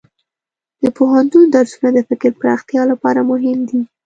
د پوهنتون درسونه د فکر پراختیا لپاره مهم دي.